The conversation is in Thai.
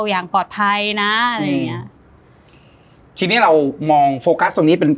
อย่างปลอดภัยนะอะไรอย่างเงี้ยทีนี้เรามองโฟกัสตรงนี้เป็น